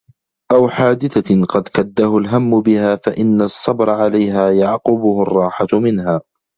أَوْ حَادِثَةٍ قَدْ كَدَّهُ الْهَمُّ بِهَا فَإِنَّ الصَّبْرَ عَلَيْهَا يَعْقُبُهُ الرَّاحَةُ مِنْهَا